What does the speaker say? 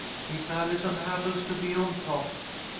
Miss Allison happens to be on top."